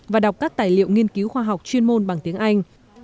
và đọc các tài liệu nghiên cứu khoa học chuyên môn bằng tiếng anh